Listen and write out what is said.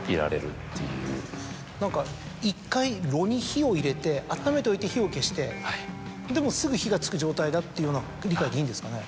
何か一回炉に火を入れて温めておいて火を消してでもすぐ火がつく状態だというような理解でいいんですかね？